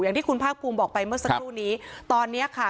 อย่างที่คุณภาคภูมิบอกไปเมื่อสักครู่นี้ตอนเนี้ยค่ะ